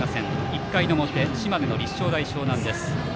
１回の表、島根の立正大淞南です。